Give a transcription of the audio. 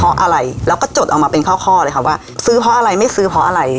เพราะอะไรแล้วก็จดออกมาเป็นข้อเลยค่ะว่าซื้อเพราะอะไรไม่ซื้อเพราะอะไร